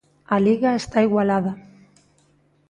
A Liga está igualada.